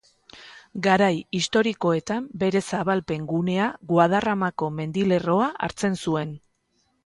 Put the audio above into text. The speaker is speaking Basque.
Garai historikoetan bere zabalpen gunea Guadarramako mendilerroa hartzen zuen.